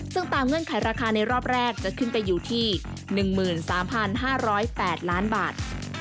ซึ่งตามเงื่อนไขราคาในรอบแรกจะขึ้นไปอยู่ที่๑๓๕๐๘ล้านบาท